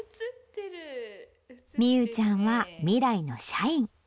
みゆちゃんは未来の社員。